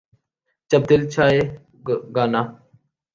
جب دل چاھے گانا